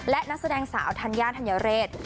และนักแสดงสาวธัญญาธัญเรศ